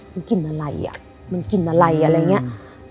มันกลิ่นอะไรอะ